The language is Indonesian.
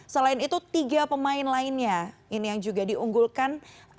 selain itu tiga pemain lainnya ini yang juga diunggulkan